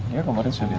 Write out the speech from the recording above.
iya kemarin saya lihat